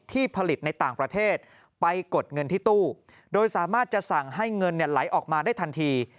ที่ผลิตในต่างประเทศไปกดเงินที่ตู้โดยสามารถจะสั่งให้เงินไหลออกมาได้ทันที